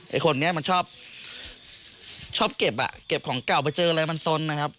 ไอ้คนนี้มันชอบชอบเก็บอ่ะเก็บของเก่าไปเจออะไรมันสนนะครับ